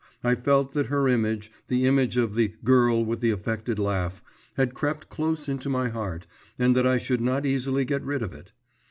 I felt that her image, the image of the 'girl with the affected laugh,' had crept close into my heart, and that I should not easily get rid of it.